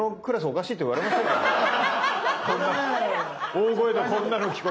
大声でこんなの聞こえたら。